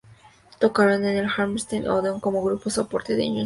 Tocaron en el Hammersmith Odeon como grupo soporte de Guns N' Roses.